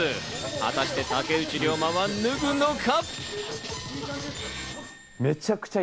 果たして竹内涼真は脱ぐのか？